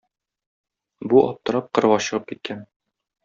Бу аптырап кырга чыгып киткән.